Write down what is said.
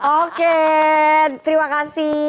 oke terima kasih